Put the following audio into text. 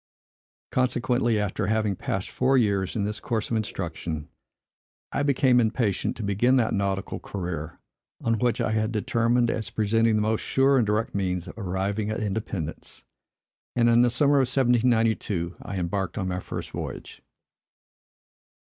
Consequently, after having passed four years in this course of instruction, I became impatient to begin that nautical career on which I had determined, as presenting the most sure and direct means of arriving at independence; and in the summer of 1792 I embarked on my first voyage.